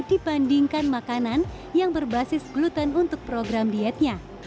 dibandingkan makanan yang berbasis gluten untuk program dietnya